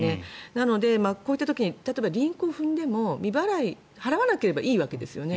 なので、こういった時に例えばリンクを踏んでも未払い払わなければいいわけですよね。